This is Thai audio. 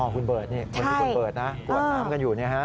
อ๋อคุณเบิร์ตนี้คุณที่คุณเบิร์ตนะกรวดน้ำกันอยู่เนี่ยฮะ